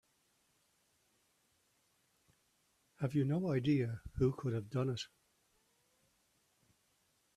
Have you no idea who could have done it?